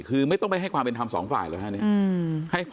คือไม่ต้องไปให้ความเป็นธรรมสองฝ่ายเลยครับเนี่ย